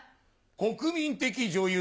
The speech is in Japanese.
国民的女優